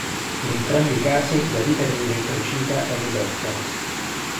In entrambi i casi la vita dell'eritrocita è ridotta.